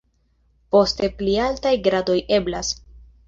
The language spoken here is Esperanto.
Poste pli altaj gradoj eblas.